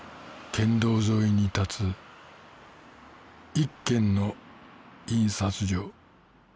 県道沿いに立つ１軒の印刷所